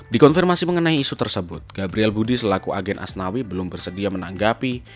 dikonfirmasi mengenai isu tersebut gabriel budi selaku agen asnawi belum bersedia menanggapi